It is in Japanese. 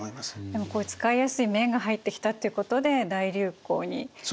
でもこういう使いやすい綿が入ってきたっていうことで大流行になったんですね。